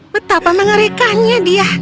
betapa mengerikannya dia